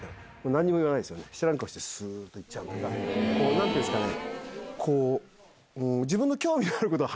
何ていうんですかね。